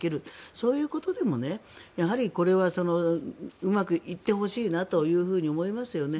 そういうことでもうまくいってほしいなと思いますよね。